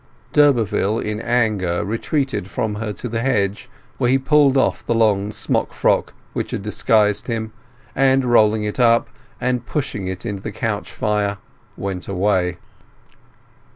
D'Urberville in anger retreated from her to the hedge, where he pulled off the long smockfrock which had disguised him; and rolling it up and pushing it into the couch fire, went away.